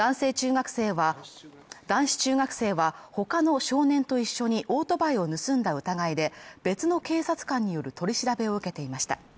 男子中学生は他の少年と一緒にオートバイを盗んだ疑いで、別の警察官による取り調べを受けていました。